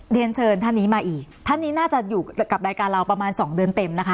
เรียนเชิญท่านนี้มาอีกท่านนี้น่าจะอยู่กับรายการเราประมาณสองเดือนเต็มนะคะ